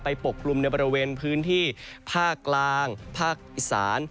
ปกกลุ่มในบริเวณพื้นที่ภาคกลางภาคอีสาน